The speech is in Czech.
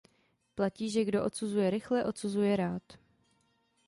Platí, že kdo odsuzuje rychle, odsuzuje rád.